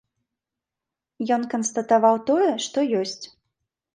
Ён канстатаваў тое, што ёсць.